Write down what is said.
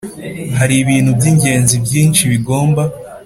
Hari ibintu by ingenzi byinshi bigomba